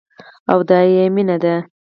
او دايې مينه ده.